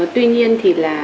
tuy nhiên thì là